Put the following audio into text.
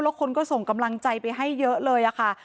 แล้วคนก็ส่งกำลังใจไปให้เยอะเลยค่ะ